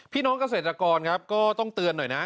พี่น้องเกษตรกรครับก็ต้องเตือนหน่อยนะ